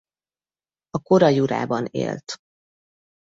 A kora jurában élt.